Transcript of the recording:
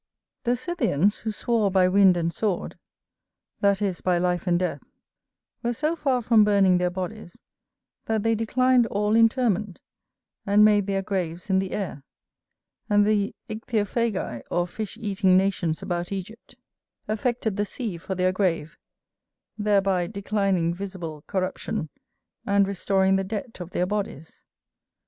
The Scythians, who swore by wind and sword, that is, by life and death, were so far from burning their bodies, that they declined all interment, and made their graves in the air: and the Ichthyophagi, or fish eating nations about Egypt, affected the sea for their grave; thereby declining visible corruption, and restoring the debt of their bodies.